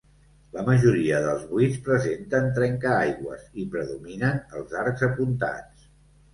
La majoria dels buits presenten trencaaigües i predominen els arcs apuntats.